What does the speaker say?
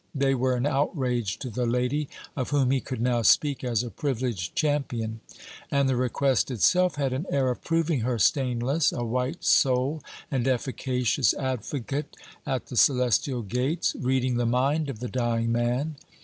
They were an outrage to the lady, of whom he could now speak as a privileged champion; and the request itself had an air of proving her stainless, a white soul and efficacious advocate at the celestial gates (reading the mind of the dying man).